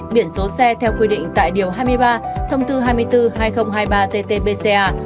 biện số xe theo quy định tại điều hai mươi ba thông tư hai mươi bốn hai nghìn hai mươi ba tt pca